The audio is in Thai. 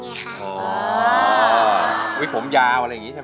แล้วน้องใบบัวร้องได้หรือว่าร้องผิดครับ